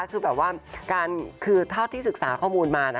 คือแบบว่าคือเท่าที่ศึกษาข้อมูลมานะ